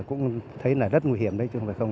cũng thấy là rất nguy hiểm đấy chứ không phải không